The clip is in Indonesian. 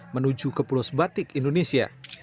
menuju ke plus batik indonesia